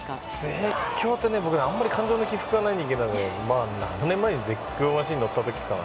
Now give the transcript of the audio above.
絶叫って僕あまり感情の起伏がない人間なので７年前に絶叫マシンに乗った時かな。